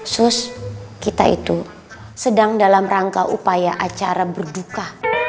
sus kita itu sedang dalam rangka upaya acara berduka